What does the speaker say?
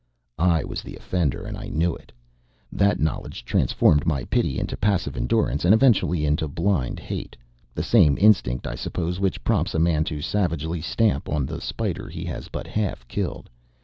I was the offender, and I knew it. That knowledge transformed my pity into passive endurance, and, eventually, into blind hate the same instinct, I suppose, which prompts a man to savagely stamp on the spider he has but half killed.